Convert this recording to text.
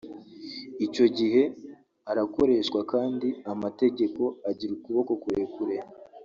icyo gihe arakoreshwa kandi amategeko agira ukuboko kurekure